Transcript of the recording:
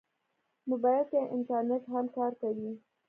موبایل کې انټرنیټ هم کار کوي.